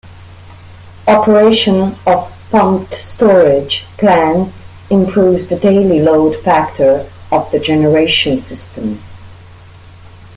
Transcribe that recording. Operation of pumped-storage plants improves the daily load factor of the generation system.